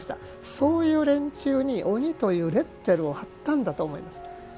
そういう連中に鬼というレッテルを貼ったんだと思います。